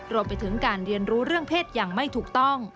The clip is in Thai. รวมไปถึงการเรียนรู้เรื่องเพศอย่างไม่ถูกต้อง